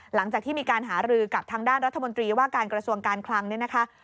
หลังจากที่มีการหารือกับทางด้านรัฐมนตรีว่าการกระทรวงการคลังเนี่ยนะคะ